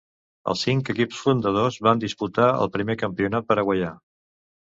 Els cinc equips fundadors van disputar el primer campionat paraguaià.